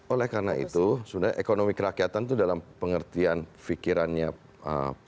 oleh karena itu sebenarnya ekonomi kerakyatan itu dalam pengertian pikirannya pak